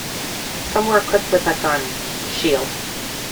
Some were equipped with an gun shield.